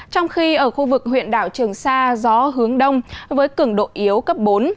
trong khi ở khu vực huyện đảo trường sa gió hướng đông với cường độ yếu cấp bốn